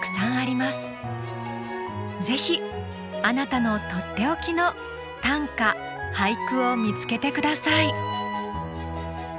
ぜひあなたのとっておきの短歌・俳句を見つけて下さい。